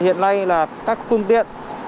hiện nay là các phương tiện